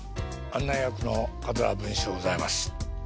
案内役の桂文枝でございます。